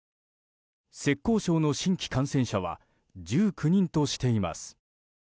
浙江省の新規感染者は１９人としています。